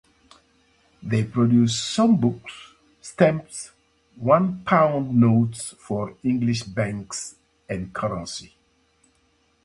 They produced some books, stamps, one-pound notes for English banks, and currency.